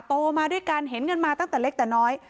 โตมาด้วยกันเห็นกันมาตั้งแต่เล็กแต่น้อย